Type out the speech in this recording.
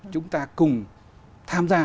chúng ta cùng tham gia